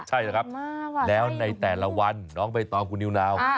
ใช่แล้วครับแล้วในแต่ละวันน้องใบตองคุณนิวนาว